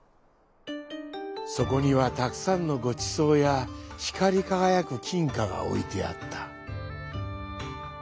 そこにはたくさんのごちそうやひかりかがやくきんかがおいてあった。